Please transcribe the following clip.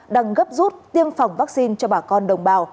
đang gấp rút tiêm phòng vaccine cho bà con đồng bào